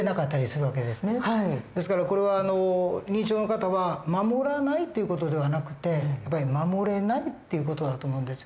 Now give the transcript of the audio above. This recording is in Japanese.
ですからこれは認知症の方は守らないという事ではなくて守れないっていう事だと思うんですよ。